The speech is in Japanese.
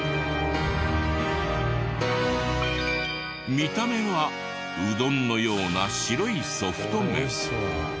見た目はうどんのような白いソフト麺。